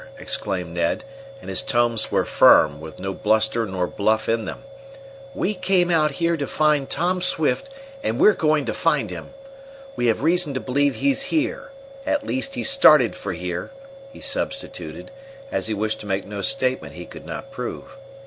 exclaimed Ned, and his tones were firm, with no bluster nor bluff in them, "we came out here to find Tom Swift, and we're going to find him! We have reason to believe he's here at least, he started for here," he substituted, as he wished to make no statement he could not prove.